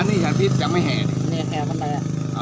อันนี้ฉันพิจจะไม่แห